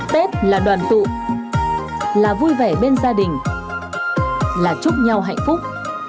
tết là đoàn tụ là vui vẻ bên gia đình là chúc nhau hạnh phúc